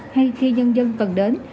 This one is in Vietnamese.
hay khi nhân dân cần đến